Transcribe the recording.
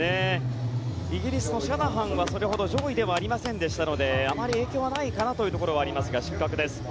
イギリスのシャナハンはそれほど上位ではありませんでしたのであまり影響はないかなというところはありますが失格です。